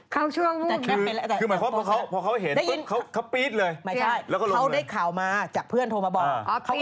เข้าช่วง